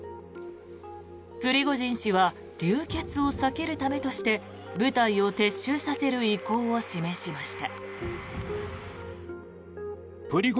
プリゴジン氏は流血を避けるためとして部隊を撤収させる意向を示しました。